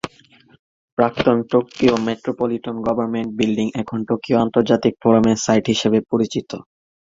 প্রাক্তন Tokyo metropolitan government building এখন Tokyo আন্তর্জাতিক ফোরামের সাইট হিসাবে পরিচিত।